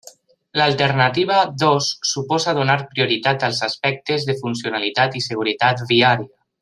L'alternativa dos suposa donar prioritat als aspectes de funcionalitat i seguretat viària.